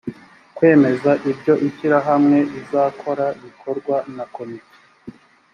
kwemeza ibyo ishyirahamwe rizakora bikorwa na komite